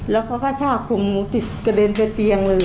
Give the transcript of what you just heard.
แล้วเขาก็ทราบคงติดกระเด็นไปเตียงเลย